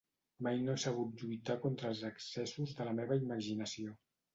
Mai no he sabut lluitar contra els excessos de la meva imaginació.